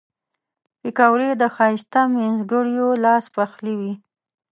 پکورې د ښایسته مینځګړیو لاس پخلي وي